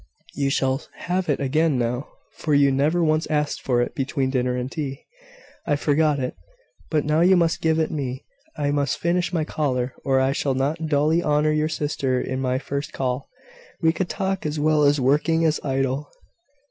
You shall have it again now, for you never once asked for it between dinner and tea." "I forgot it: but now you must give it me. I must finish my collar, or I shall not duly honour your sister in my first call. We can talk as well working as idle."